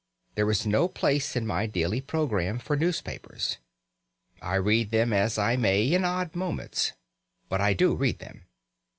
There is no place in my daily programme for newspapers. I read them as I may in odd moments. But I do read them.